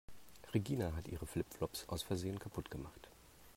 Regina hat ihre Flip-Flops aus Versehen kaputt gemacht.